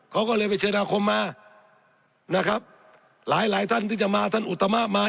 เขาก็เลยไปเชิญอาคมมานะครับหลายหลายท่านที่จะมาท่านอุตมะมา